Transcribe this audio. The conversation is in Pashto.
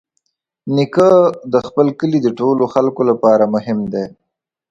نیکه تل د خپل کلي د ټولو خلکو لپاره مهم دی.